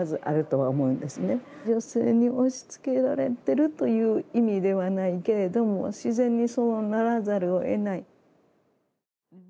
女性に押しつけられてるという意味ではないけれども自然にそうならざるをえない。